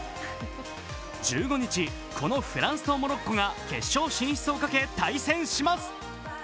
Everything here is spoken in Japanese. １５日、このフランスとモロッコが決勝進出をかけ対戦します。